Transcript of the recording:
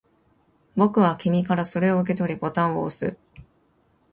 僕は君からそれを受け取り、ボタンを押す